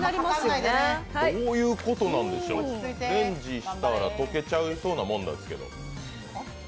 どういうことなんでしょう、レンジしたら溶けちゃいそうなものなんですけど。